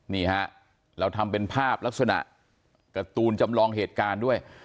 นี่ฮะเราทำเป็นภาพลักษณะการ์ตูนจำลองเหตุการณ์ด้วย